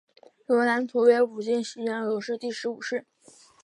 刘图南为武进西营刘氏第十五世。